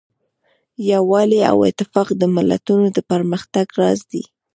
یووالی او اتفاق د ملتونو د پرمختګ راز دی.